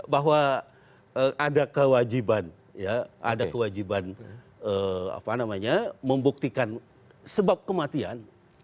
bahwa ada kewajiban ya ada kewajiban membuktikan sebab kematian